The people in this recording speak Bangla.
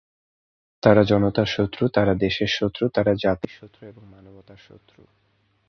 তারা জনতার শত্রু, তারা দেশের শত্রু, তারা জাতির শত্রু এবং মানবতার শত্রু।